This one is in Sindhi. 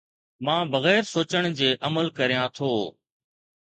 مان بغير سوچڻ جي عمل ڪريان ٿو